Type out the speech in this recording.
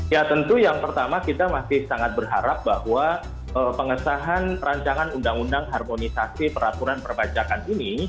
ya tentu yang pertama kita masih sangat berharap bahwa pengesahan rancangan undang undang harmonisasi peraturan perpajakan ini